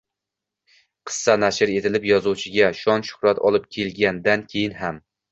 Qissa nashr etilib, yozuvchiga shon-shuhrat olib kelgandan keyin ham